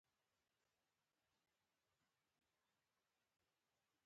که په ښار کښې همداسې وګرځې.